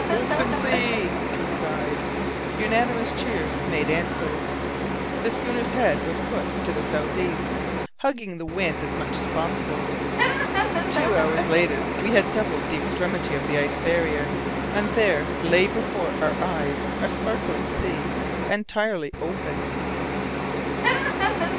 "Open sea!" he cried. Unanimous cheers made answer. The schooner's head was put to the south east, hugging the wind as much as possible. Two hours later we had doubled the extremity of the ice barrier, and there lay before our eyes a sparkling sea, entirely open.